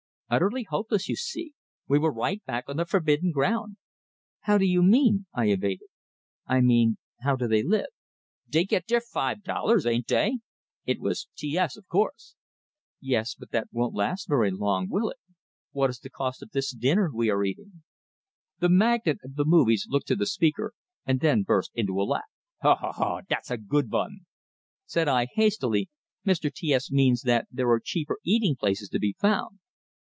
Utterly hopeless, you see! We were right back on the forbidden ground! "How do you mean?" I evaded. "I mean, how do they live?" "Dey got deir five dollars, ain't dey?" It was T S, of course. "Yes, but that won' last very long, will it? What is the cost of this dinner we are eating?" The magnate of the movies looked to the speaker, and then burst into a laugh. "Ho, ho, ho! Dat's a good vun!" Said I, hastily: "Mr. T S means that there are cheaper eating places to be found."